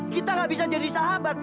kita gak bisa jadi sahabat